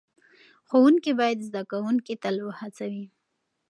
ښوونکي باید زده کوونکي تل وهڅوي.